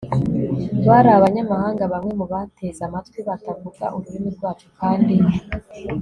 bari abanyamahanga bamwe mubateze amatwi batavuga ururimi rwacu kandi